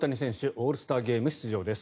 オールスターゲーム出場です。